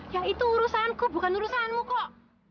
ya itu urusan ku bukan urusanmu kok